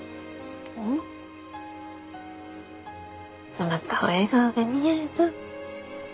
そなたは笑顔が似合うぞ。